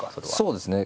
そうですね。